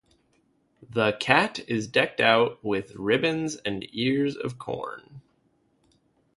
The cat is decked out with ribbons and ears of corn.